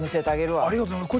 ありがとうございます。